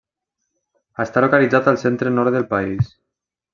Està localitzat al centre-nord del país.